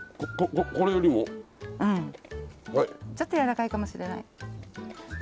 ちょっとやわらかいかもしれない。